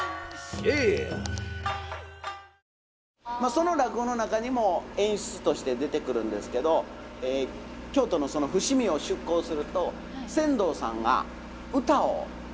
その落語の中にも演出として出てくるんですけど京都のその伏見を出港すると船頭さんが唄をうたったんやそうです舟唄を。